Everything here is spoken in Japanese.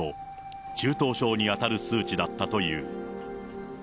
中等症に当たる数値だったという。